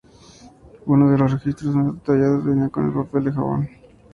Uno de los registros más detallados venía con el papel jabón.